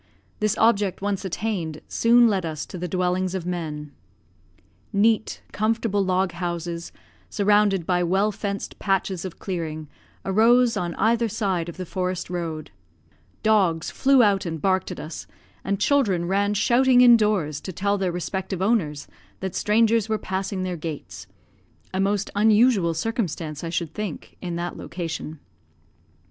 This object once attained, soon led us to the dwellings of men. Neat, comfortable log houses, surrounded by well fenced patches of clearing, arose on either side of the forest road; dogs flew out and barked at us, and children ran shouting indoors to tell their respective owners that strangers were passing their gates; a most unusual circumstance, I should think, in that location.